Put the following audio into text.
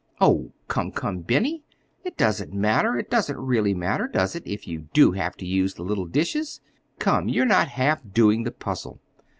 "Oh, come, come, Benny! It doesn't matter—it doesn't really matter, does it, if you do have to use the little dishes? Come, you're not half doing the puzzle."